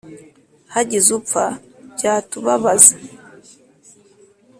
hagize upfa byatubabaza